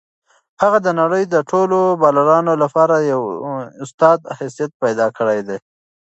هغه د نړۍ د ټولو بالرانو لپاره د یو استاد حیثیت پیدا کړی دی.